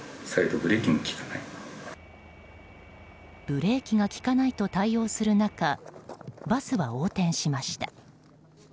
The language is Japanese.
ブレーキが利かないと対応する中バスは横転しました。